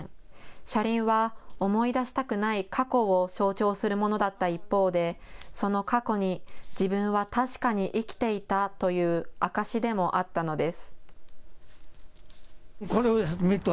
車輪は思い出したくない過去を象徴するものだった一方でその過去に自分は確かに生きていたという証しでもあったのです。